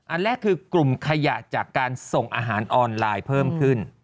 อันแรกคือกลุ่มขยะจากการส่งอาหารออนไลน์เพิ่มขึ้น